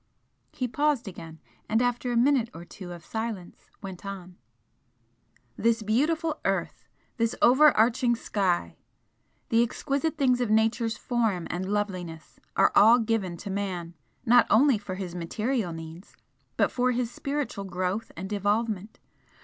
He paused again and after a minute or two of silence, went on "This beautiful earth, this over arching sky, the exquisite things of Nature's form and loveliness, are all given to Man, not only for his material needs, but for his spiritual growth and evolvement.